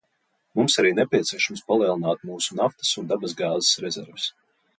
Mums arī nepieciešams palielināt mūsu naftas un dabasgāzes rezerves.